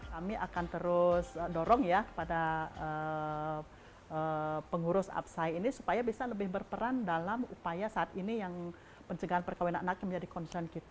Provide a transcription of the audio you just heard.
kami akan terus dorong ya kepada pengurus apsai ini supaya bisa lebih berperan dalam upaya saat ini yang pencegahan perkawinan anak yang menjadi concern kita